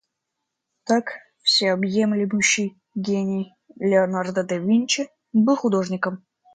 Так, всеобъемлющий гений Леонардо да Винчи был художником.